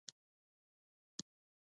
په کې یوه جغرافیه پوه یو کتاب ولیکه.